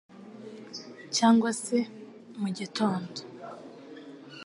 cyangwa se mu gitondo